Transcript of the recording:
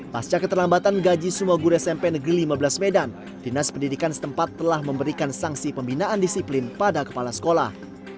pasca keterlambatan gaji sumogur smp negeri lima belas medan dinas pendidikan setempat telah memberikan sanksi pembinaan disiplin pada kepala sekolah